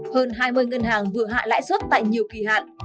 hơn hai mươi ngân hàng vừa hạ lãi suất tại nhiều kỳ hạn